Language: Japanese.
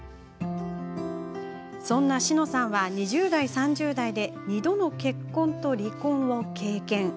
そんな紫乃さんは２０代、３０代で２度の結婚と離婚を経験。